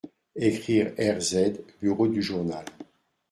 Ecrire RZ, bureau du journal.